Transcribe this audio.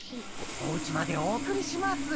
おうちまでお送りします。